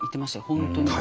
本当に。